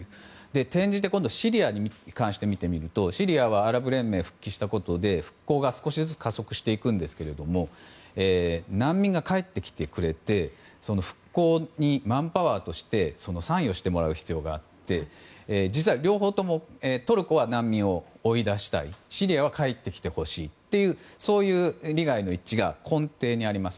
転じてシリアに関して見てみるとシリアはアラブ連盟に復帰したことで復興が少しずつ加速していくんですが難民が帰ってきてくれて復興にマンパワーとして参与してもらう必要があって実は、両方ともトルコは難民を追い出したいシリアは帰ってきてほしいというそういう利害の一致が根底にあります。